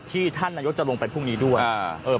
ท่านนายกจะลงไปพรุ่งนี้ด้วย